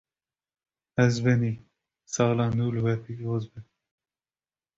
Ezbenî! Sala nû li we pîroz be